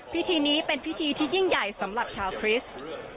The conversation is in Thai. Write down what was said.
พิธีนี้เป็นพิธีที่ยิ่งใหญ่สำหรับชาวคริสต์